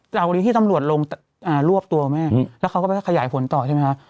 ดังนี่ที่ตำรวจลงลวบตัวแล้วเขาก็ขยายผลต่อใช่ไหมครับ